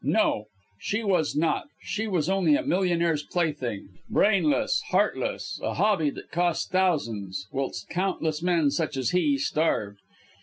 No! She was not she was only a millionaire's plaything brainless, heartless a hobby that cost thousands, whilst countless men such as he starved.